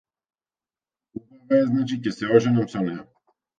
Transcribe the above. Убава е значи ќе се оженам со неа.